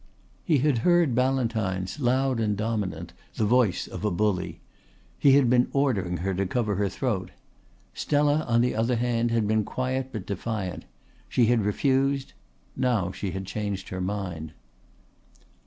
He had heard Ballantyne's, loud and dominant, the voice of a bully. He had been ordering her to cover her throat. Stella, on the other hand, had been quiet but defiant. She had refused. Now she had changed her mind.